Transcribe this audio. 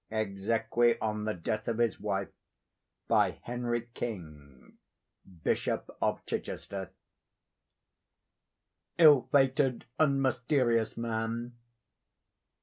(Exequy on the death of his wife, by Henry King, Bishop of Chichester.) Ill fated and mysterious man!